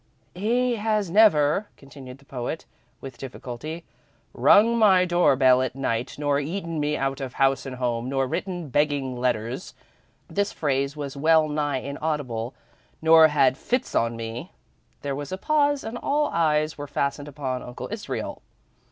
"He has never," continued the poet, with difficulty, "rung my door bell at night, nor eaten me out of house and home, nor written begging letters " this phrase was well nigh inaudible "nor had fits on me " Here there was a pause and all eyes were fastened upon Uncle Israel.